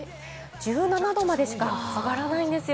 １７度までしか上がらないんですよ。